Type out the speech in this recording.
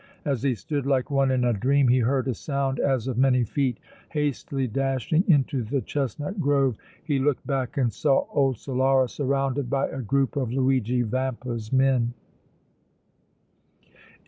As he stood like one in a dream he heard a sound as of many feet. Hastily dashing into the chestnut grove, he looked back and saw old Solara surrounded by a group of Luigi Vampa's men.